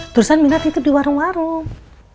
terusan minah tidur di warung warung